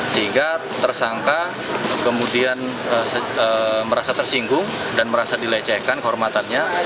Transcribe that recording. sehingga tersangka kemudian merasa tersinggung dan merasa dilecehkan kehormatannya